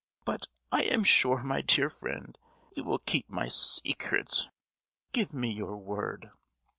But, I am sure, my dear friend, you will keep my se—cret. Give me your word!"